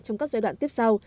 trong các giai đoạn tiếp sau